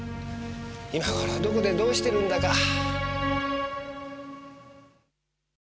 今頃はどこでどうしてるんだか。